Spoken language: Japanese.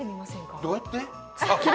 どうやって？